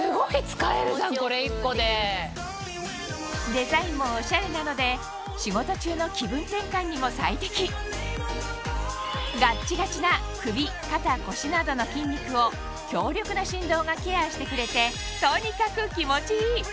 デザインもオシャレなので仕事中の気分転換にも最適ガッチガチな首肩腰などの筋肉を強力な振動がケアしてくれてとにかく